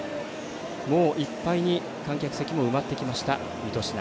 もう、いっぱいに観客席も埋まってきました、水戸市内。